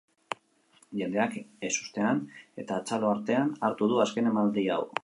Jendeak ezustean eta txalo artean hartu du azken emanaldia hau.